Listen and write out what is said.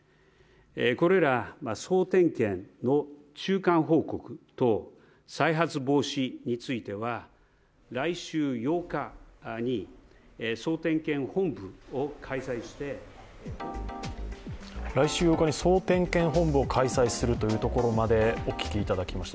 これら総点検の中間報告と再発防止については来週８日に総点検本部を開催して来週８日に総点検本部を開催するというところまでお聞きいただきました。